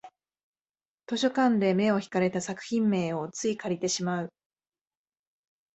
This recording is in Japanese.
図書館で目を引かれた作品名をつい借りてしまう